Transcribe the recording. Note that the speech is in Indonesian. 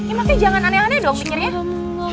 emang kayak jangan aneh aneh dong pikirnya